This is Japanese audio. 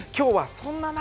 そんな中。